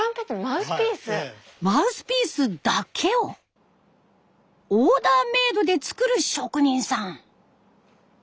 マウスピースだけをオーダーメイドで作る職人さん！